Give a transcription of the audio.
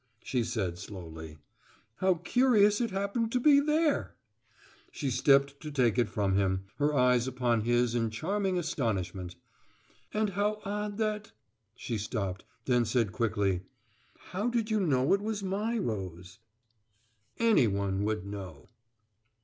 she said slowly. "How curious it happened to be there!" She stepped to take it from him, her eyes upon his in charming astonishment. "And how odd that " She stopped; then said quickly: "How did you know it was my rose?" "Any one would know!"